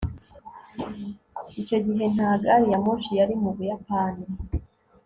Icyo gihe nta gari ya moshi yari mu Buyapani